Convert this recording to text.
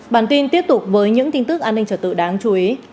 bản tin tiếp tục với những tin tức an ninh trở tự đáng chú ý